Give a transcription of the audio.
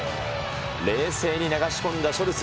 冷静に流し込んだショルツ。